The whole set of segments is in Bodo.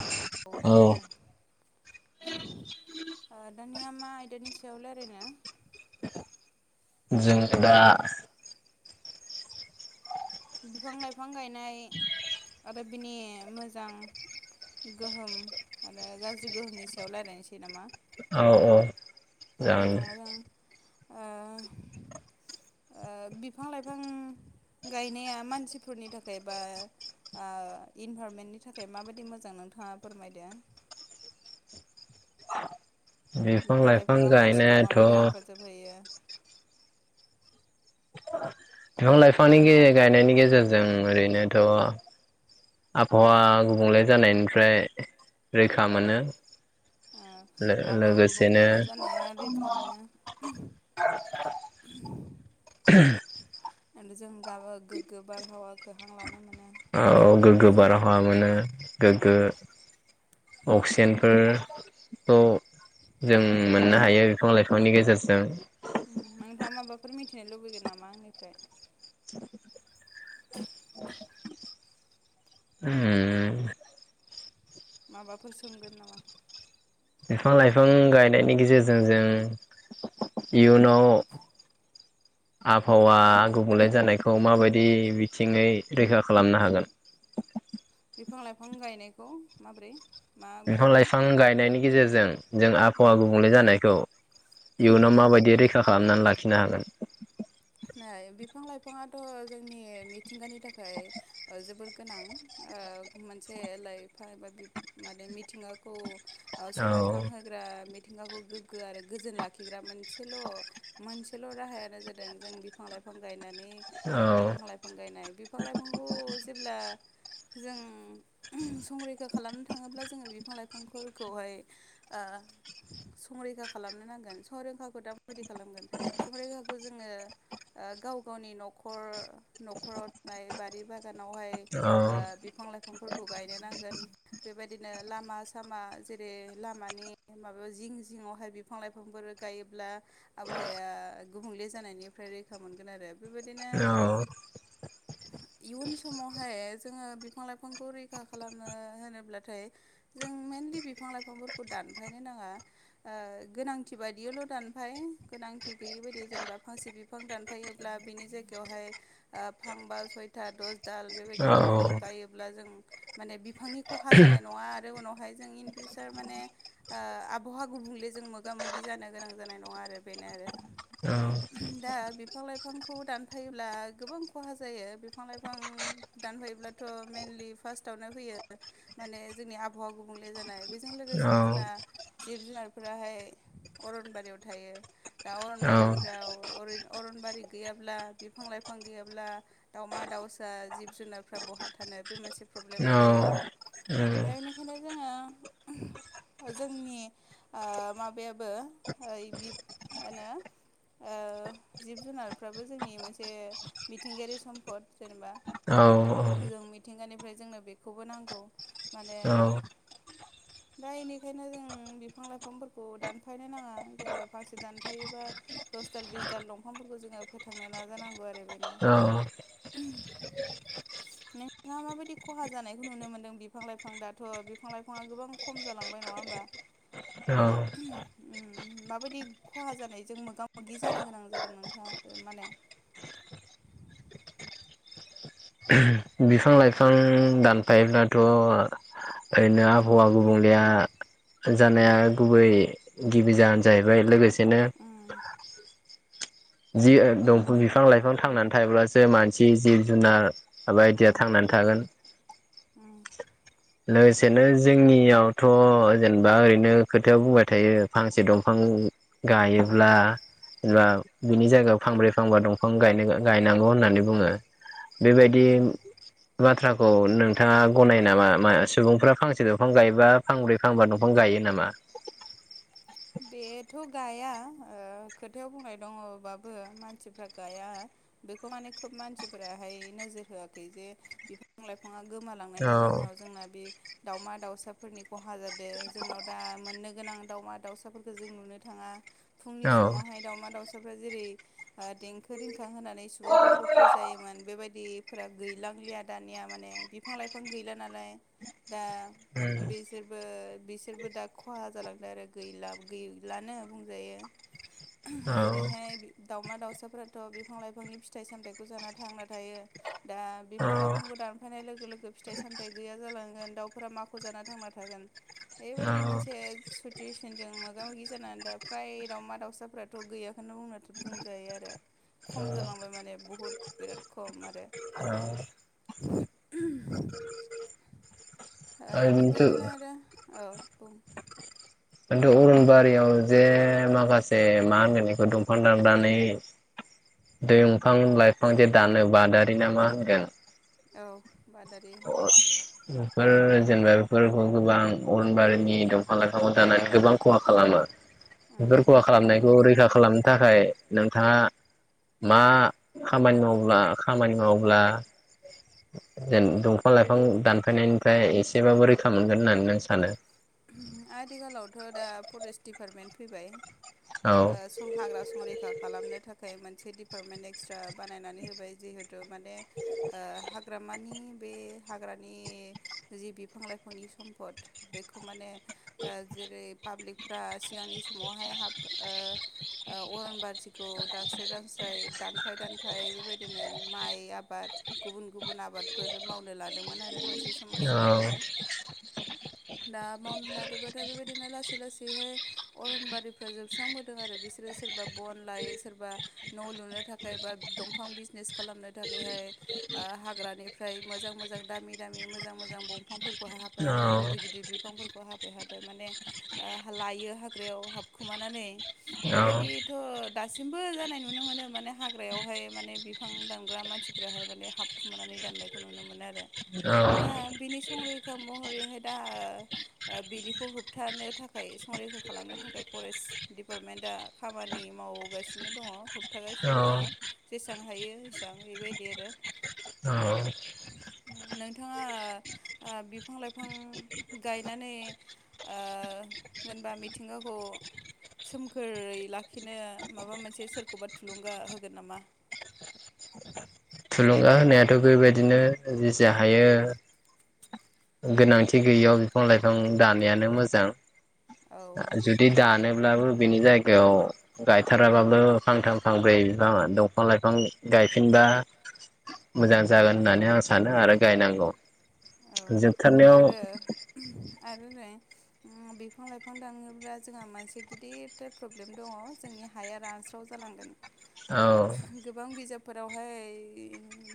हेल औ खोनादों ओ दानिया मा आयदानि स याव रायलायनो जों दा बिफां लाइफां गायनाय आरो बिनि मोजां गोहोम आरो गाज्रि गोहोमनि सायाव रायलायनोसै नामा औ औ जागोन दे बिफां लाइफां ओ ओ बिफां लाइफां गायनाया मानसिफोरनि थाखाय बा ओ इनभाररमेन्टनि थाखाय माबायदि मोजां नोंथांङा फोरमायदो। बिफां लाइफां लाइफाङा मानसिखौ गायनायाथ' माबायदि हेफाजाब होयो? बिफां लाइफांनि गे गायनायनि गेजेरजों ओरैनोथ आबहावा गुबुंले जानायनिफ्राय रैखा मोनो। ओ आबहावा गुबुंले लोगोसेनो जानाया रैखा मोनो। [inaudible] [unintelligible] जों गा गोग्गो बारहावाखो हां लानो मोनो। ओ औ गोगो बारहावा मोनो गोग्गो अक्सिजेनफोरखौ जों मोननो हायो बिफां लाइफांनि गेजेरजों। उम्म नोंथांङा माबाफोर मिथिनो लुबैगोन नामा आंनिफ्राय? उम्म माबाफोर सोंगोन नामा? बिफां लाइफां गायनायनि गेजेरजों जों इयुनाव आबहावा गुबुंले जानायखौ माबायदि बिथिङै रैखा खालामनो हागोन? बिफां लाइफां गायनायखौ माबोरै बिफां माबायदि लाइफां गायनायनि गेजेरजों जों आबहावा ओ गुबुंले जानायखौ इयुनाव माबायदि रैखा खालामनानै लाखि खिनो हागोन नै बि बिफां लाइफाङाथ जोंनि मिथिंगानि थाखाय जोबोर गोनां ओ मोनसे लाइफां एबा माने मिथिंगाखौ औ समायखां होग्रा मिथिंगाखौ गोगगो आरो गोजोन लाखिग्रा मोनसेल मोनसेल राहायानो जादों जों बिफां लाइफां गायनानै औ बिफां लाइफां गायनाय बिफां लाइफांखौ जेब्ला जों संरैखा खालामनो थाङोब्ला जोंङो बिफां लाइफांफोरखौहाय ओ संरैखा खालामनो नांगोन, संरैखाखौ दा माबायदि खालामगोन संरैखाखौ जोङो गाव गावनि न'खर न'खराव थानाय बारि बागान आवहाय औ बिफां लाइफां फोरखौ गायनो नांगोन बेबायदिनो लामा सामा जेरै लामानि माबायाव जिं जिङावहाय बिफां लाइफांफोर गायोब्ला आबहावाया गुबुंले जानायनि फ्राय रैखा मोनगोन आरो औ इयुन समावहाय जोंङो बिफां लाइफांखौ रैखा खालामनो होनोब्लाथाय जों मइेनलि बिफां लाइफांफोरखौ दानफायनो नाङा ओ गोनांथि बायदियावल दानफाय गोनांथि गैयै बायदि जेनेबा फांसे बि फां दानफायोब्ला बिनि जायगायावहाय ओ फांबा सयथा दस दाल बेबायदि औ बिफांखौ गायोब्ला जों माने बिफांनि खहा जानाय नङा आरो उनावहाय जों इन फिउसार माने ओ आबहावा गुबुंले जों मोगा मोगि जानो गोनां जानाय नङा आरो बेनो आरो। औ दा बिफां लाइफांखौ दानफायोब्ला गोबां खहा जायो, बिफां लाइफां दानफायोब्लाथ मेइनलि फार्स्टआवनो फैयो माने जोंनि आबहावा गुबुंले जानाय बेजों लोगोसेनो जोंना जिब जुनारफोराहाय अरनबारियाव थायो दा अरनबारिफ्राव अरनबारि गैयाब्ला बिफां लाइफां गैयाब्ला दाावमा दाउसा जिब जुनारफ्रा बहा थानो बे मोनसे प्रब्लेमा जायो आरो दा औ बेनिखायनो जोंङो जोंनि ओ माबायाबो ओ बि मा होनो ओ जिब जुनारफ्राबो जोंनि मोनसे मिथिंगायारि सम्फद जेनेबा औ औ जों मिथिंगानिफ्राय जोंनो बेखौबो नांगौ माने दा इनिखायनो जों बिफां लाइफांफोरखौ दानफायनो नाङा जेनेबा फांसे दानफायोबा दस दाल बिसदाल दंफांफोरखौ जोङो फोथांनो नाजानांगौ आरो बेनो। नोंथाङा माबायदि खहा जानायखौ नुनो मोनदों बिफां लाइफां दाथ बिफां लाइफाङा गोबां खम जालांबाय नङा होमबा उम्म माबायदि खहा जानायजों मोगा मोगि जानो गोनां जादों नोंथांङा माने बिफां लाइफां दानफायोब्लाथ ओरैनो आबहावा गुबुंलेया जानाया गुबै गिबि जाहोन जाहैबाय लोगोसे उम बिदिनो जि दंफां बिफां लाइफां थांनानै थायोब्लासो मानसि जिब जुनार बायदिया उम थांनानै थागोन। उम। लोगोसेनो जोंनियावथ जेनेबा ओरैनो खोथायाव बुंबाय थायो। फांसे दंफां गायोब्ला जेनेबा बिनि जायगायाव फांब्रै फांबा दंफां गायनो गायनांगौ होननानै बुङो। बेबायदि उम बाथ्राखौ नोंथाङा गनायो नामा? सुबुंफोरा फांसे दंफां गायोबा फांब्रै फांबा दंफां गायो नामा? बेथ गाया खोथायाव बुंनाय दङबाबो मानसिफ्रा गाया बेखौ माने खोब मानसिफोराहाय नोजोर होआखै जे बिफां लाइफाङा औ गोमालांनायनि जाहोनाव जोंना बे दाउमा दाउसाफोरनि खहा जादों जोंनाव दा मोननो गोनां दाउमा दाउसा फोरखौ जों नुनो थाङा। औ फुंनि समावहाय दाउमा दावउसा जेरै देंखो रिंखां होनानै सुबुंफोरखौ फोजायोमोन। बेबायदिफोरा गैलांलिया दानिया माने बिफां लाइफां गैला नालाय दा उम बिसोरबो बिसोरबो दा खहा जालांदों आरो गैला। गैलानो बुंजायो औ जेरैहाय दावमा दाउसाफोराथ बिफां लाइफांनि फिथाइ सामथायाखौ जाना थांना थायो दा औ बिफां लाइफांखौ दानफायनाय लोगो लोगो फिथाइ सामथायाइ गैया जालांगोन दाउफोरा माखौ जाना थांना थागोन औ बेबायदि मोनसे सुथुवेसनजों मो मोगा मोगि जानानै दा फ्राय दावमा दाउसाफोराथ गैयाखौनो बुंजायो। आरो औ खम जालांबाय माने बहुद बिराद खम आरो। ओ ओरैनोथ' बेबायदिनो आरो औ। जों बारियाव जे माखासे मा होनगोन बेखौ दंफां दाननानै दंफां लाइफां जे दानो बादारि ना मा होनगोन? औ बादारि होनो। बेफोर जेनेबा बेफोरखौ गोबां अरनबारिनि दंफां लाइफांखौ दानानै गोबां खहा खालामो। बेफोर खहा खालामो खालामनायखौ रैखा खालामो खालामनो थाखाय नोंथाङा मा खामानि मावब्ला खामानि मावब्ला जेन दंफां लाइफां दानफ दानफायनिफ्राय एसेबाबो रैखा मोनगोन होननानै नों सानो? आथिखालावथ दा फरेस्ट दिडपार्टमेन्ट फैबाय। औ सम हाग्रा संरैखा खालामनो थाखाय मोनसे डिपार्टमेन्ट एक्सट्रा बानायनानै होबाय जिहेथु माने हाग्रामानि बे हाग्रानि जि बिफां लाइफांनि सम्पद बे खौ माने जेरै पाब्लिकफ्रा सिगांनि समावहाय ह ओ अरन बारिखौ दानस्राय दानस्राय दानफाय दानफाय बेबायदिनो माइ आबाद गुबुन गुबुन आबादफोर मावनो लादोंमोन आरो मोनसे समाव सिगाङावहाय दा [unintelligible] लासै लासै अरन बारिफोरा जोबस्रां बोदों आरो बिसोरो‌ सोरबा बन‌लायो सोरबा न' लुनो थाखाय बा दंफां बिसनेस खालामनो थाखाय हाग्रानिफ्राय मोजां मोजां दामि दामि मोजां मोजां बंफांफोरखौ हाफाय औ हाफाय गिदिर गिदिर बिफांफोरखौ हाबफै हाफाय माने लायो हाग्रायाव हाबखुमानानै औ बेबायदिथ दासिमबो जानाय नुनो मोनो माने हाग्रायावहाय माने बिफां दानग्रा मानसिफोराहाय माने हाबखुमानानै दाननायखौ नुनो मोनो आरो औ दा बिनि संरैखा महरैहाय दा बिनिखौ होबथानो थाखाय संरैखा खालामनो थाखाय फरेस्ट दिडिपार्टमेन्टआ खामानि मावगासिनो दङ होबथागासिनो दङ औ जेसेबां हायो एसबां बेबायदि आरो औ नोंथाङा बिफां लाइफां गायनानै ओ जेनेबा मिथिंगाखौ सोमखोरै लाखिनो माबा मोनसे सोरखौबा थुलुंगा होगोन नामा? लुंगा होनायाथ बेबायदिनो जेसे हायो गोनांथि गैयियाव बिफां लाइफां दानैयानो मोजां। औ जुदि दानो अब्लाबो बिनि जायगायाव गायथाराबाबो फांथाम फांब्रै बिफां दंफां लाइफां गायफिनबा मोजां जागोन होननानै आं सानो आरो गायनांगौ। औ जोबथारनायाव आरो आरो नै बिफां लाइफां दानोब्ला जोंहा मोनसे गिदिर थार प्रब्लेम दङ जोंनि हाया रानस्राव जालांगोन औ गोबां बिजाबफोरावहाय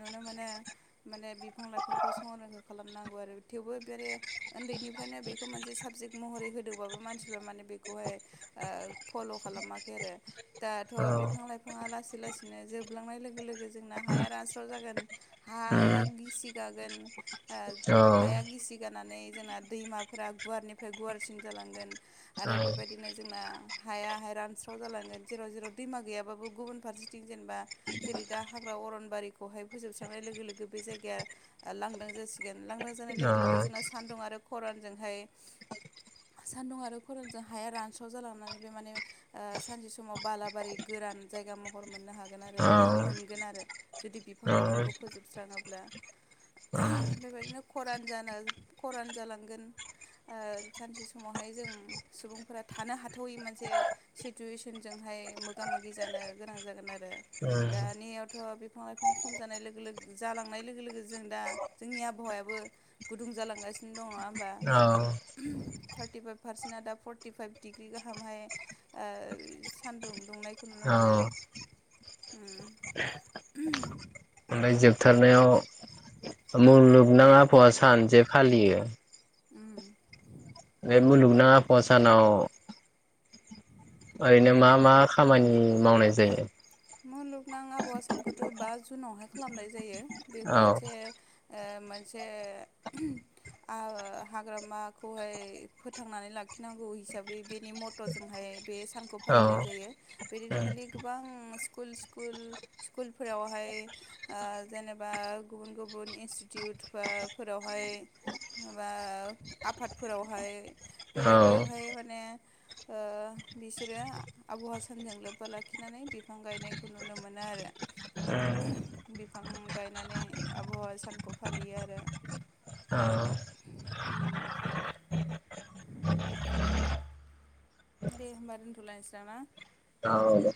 नुनो मोनो माने बिफां लाइफांखौ संरैखा खालामनांगौ आरो थेवबो बेे उन्दैनिफ्रायनो बेखौ मोनसे साबजेक्ट महरै होदोंबाबो मानसिफ्रा माने बेखौहाय फल खालामाखै आरो दाथ औ बिफां लाइफाङा लासै लासैनो जोबलांनाय लोगो लोगो जोंना हाया रानास्राव जागोन उम हाया गिसि गागोन औ हाया गिसि गानानै जोंना दैमाफोरा गुवारनिफ्राय गुवारसिन जालांगोन आरो बेबायदिनो जोंना हायाहाय रानस्राव जालांगोन जेराव जेराव दैमा गैयाबाबो गुबुन फारसेथिं जेनेबा जेरै दा हाग्रा अरनबारिखौहाय फोजोबस्रांनाय लोगो लोगो बे जायगाया लांदां जासिगोन। गोन लांदां जानाय औ उम लोगो लोगो जोंना सान्दुं आरो खरानजोंहाय सान्दुं आरो खरानजों हाया रानस्राव जालांनानै बे माने सानसे समाव बालाबारि गोरान जायगा महर मोननो हागोन आरो मोनगोन आरो जुदि बिफां लाइफांखौ फोजोबस्राङोब्ला बेबायदिनो खरान जानो खरान जालांगोन सानसे समावहाय जों सुबुंफोरा थानो हाथावयै मोनसे सिटुवेसनजोंहाय मोगा मोगि जानो गोनां जागोन आरो दानियावथ बिफां लाइफां खम जानाय लोगो जालांनाय लोगो लोगो जों दा जोंनि आबहावायाबो गुदुं जालांगासिनो दङ होमबा औ थार्टिफाइभ पारसेन्टआ दा फर्टिफाइभ डिग्रि गाहामहाय सानदुं दुंनायखौ नुनो औ मोनो। ओमफ्राय जोबथारनायाव मुलुगनां आबहावा सान जे फालियो उम बे मुलुगनां आबहावा सानाव ओरैनो मा मा खामानि मावनाय जायो? मुलुगनां आबहावा सानखौथ बा जुनावहाय खालामनाय जायो। बेखौ औ मोनसे ओ मोनसे ओमम हाग्रामाखौहाय फोथांनानै लाखिनांगौ हिसाबै बेनि मट'जोंहाय बे सानखौ औ फालिनाय जायो बे दिनखालि गोबां स्कुल स्कुल स्कुलफोरावहाय जेनेबा गुबुन गुबुन इन्स्टिटिउट फोरावहाय बा आफादफोरावहाय औ बेबायदियावहाय माने ओ बिसोरो आबहावा सानजों लोब्बा लाखिनानै बिफां गायनायखौ नुनो मोनो ओमह आरो बिफां गायनानै आबहावा सानखौ फालियो आरो औ ओम दे होमबा दोनथ'लायसै नामा औ दे